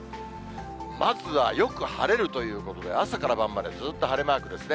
まずは、よく晴れるということで、朝から晩までずっと晴れマークですね。